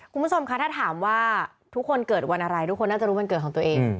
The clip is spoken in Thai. คุณผู้ชมคะถ้าถามว่าทุกคนเกิดวันอะไรทุกคนน่าจะรู้วันเกิดของตัวเอง